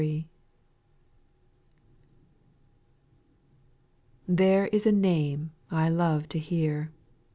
rpHERE is a name I love to hear, X.